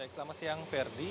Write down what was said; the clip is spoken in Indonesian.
selamat siang ferdi